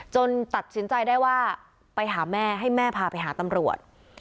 ตัดสินใจได้ว่าไปหาแม่ให้แม่พาไปหาตำรวจ